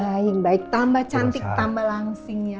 baik baik tambah cantik tambah langsing ya